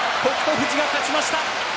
富士が勝ちました。